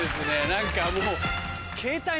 何かこう。